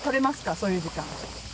そういう時間。